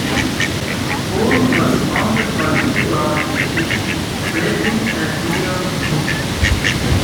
Quorn was founded by two brothers, Frederick and William B.